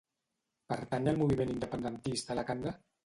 Pertany al moviment independentista la Cande?